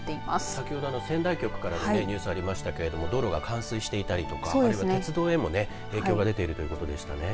先ほどの仙台局からもニュースありましたけれども道路が冠水していたりとかあるいは鉄道にも影響が出ているということでしたね。